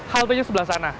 haltenya sebelah sana